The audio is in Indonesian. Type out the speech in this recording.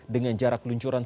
dengan jarak luncuran tiga km